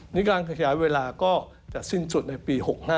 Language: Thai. ในการขยายเวลาก็จะสิ้นสุดในปี๖๕